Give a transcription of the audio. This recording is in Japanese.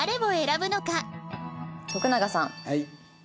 はい。